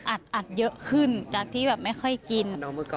อัดเยอะขึ้นจากที่แบบไม่ค่อยกิน